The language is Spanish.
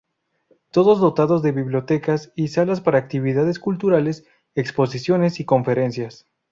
Todos dotados de bibliotecas y salas para actividades culturales, exposiciones y conferencias.